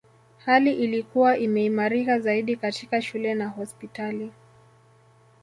Hali ilikuwa imeimarika zaidi katika shule na hospitali